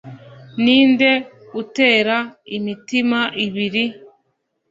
ninde utera imitima ibiri